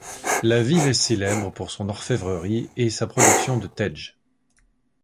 La ville est célèbre pour son orfèvrerie et sa production de T’edj.